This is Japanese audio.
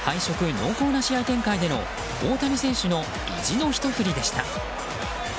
濃厚な試合展開での大谷選手の意地のひと振りでした。